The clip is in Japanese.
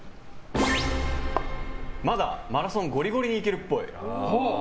まだマラソンゴリゴリにいけるっぽい。